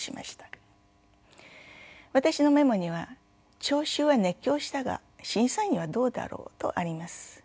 私のメモには「聴衆は熱狂したが審査員にはどうだろう？」とあります。